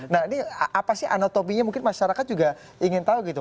nah ini apa sih anatominya mungkin masyarakat juga ingin tahu gitu